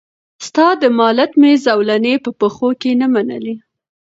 ستا د مالت مي زولنې په پښو کي نه منلې